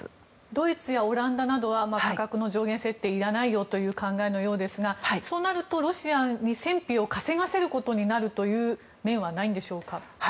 ドイツやオランダなどは価格の上限設定いらないという考えのようですがそうなると、ロシアに戦費を稼がせるようになるという面はないんでしょうか。